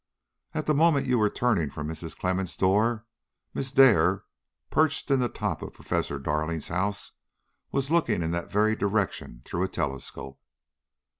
"At the moment you were turning from Mrs. Clemmens' door, Miss Dare, perched in the top of Professor Darling's house, was looking in that very direction through a telescope."